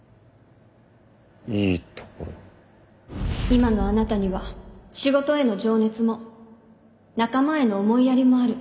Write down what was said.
今のあなたには仕事への情熱も仲間への思いやりもある